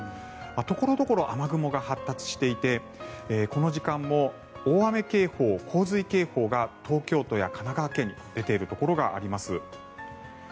所々、雨雲が発達していてこの時間も大雨警報、洪水警報が東京都や神奈川県に出ているところがあります。